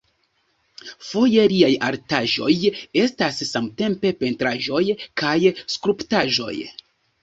Foje liaj artaĵoj estas samtempe pentraĵoj kaj skulptaĵoj.